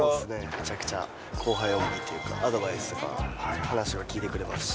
めちゃくちゃ後輩思いっていうか、アドバイスというか、話も聞いてくれますし。